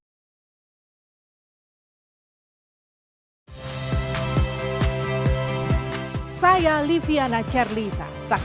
jadi sampai baunya akan leluhur proyek résult